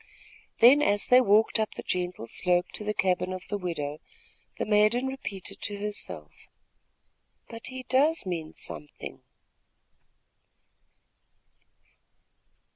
Then, as they walked up the gentle slope to the cabin of the widow, the maiden repeated to herself: "But he does mean something!"